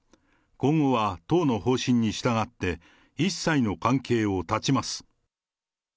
今後は党の方針に従って、一切の関係を断ちます。